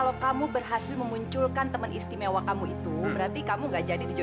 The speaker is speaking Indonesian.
baru muncul sekarang